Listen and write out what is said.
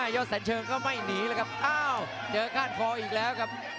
ยอดแสนเชิงก็ไม่หนีแล้วครับอ้าวเจอก้านคออีกแล้วครับ